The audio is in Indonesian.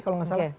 kalau gak salah